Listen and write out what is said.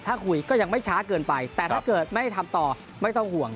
ถ้าคุยก็ยังไม่ช้าเกินไปแต่ถ้าเกิดไม่ทำต่อไม่ต้องห่วง